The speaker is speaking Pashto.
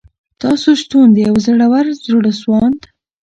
تاسو شتون د یوه زړور، زړه سواند